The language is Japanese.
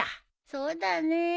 そうだね。